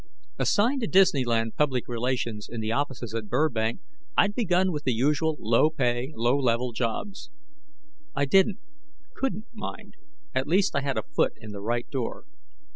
Assigned to Disneyland Public Relations in the offices at Burbank, I'd begun with the usual low pay, low level jobs. I didn't, couldn't mind; at least I had a foot in the right door.